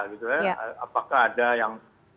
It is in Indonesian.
gitu ya apakah ada yang